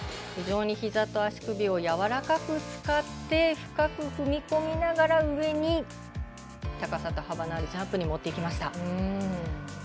非常にひざと足首をやわらかく使って深く踏み込みながら上に高さと幅のあるジャンプにもってきました。